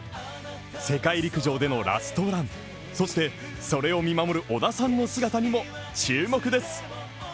世界陸上でのラストラン、そして、それを見守る織田さんの姿にも注目です。